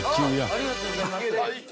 ありがとうございます。